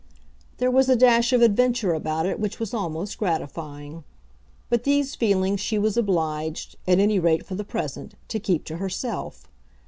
There was a dash of adventure about it which was almost gratifying. But these feelings she was obliged, at any rate for the present, to keep to herself.